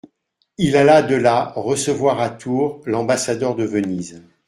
Il alla de là recevoir à Tours l'ambassadeur de Venise.